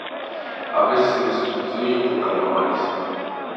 A veces se sustituyen por calamares.